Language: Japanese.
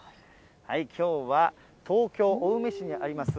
きょうは、東京・青梅市にあります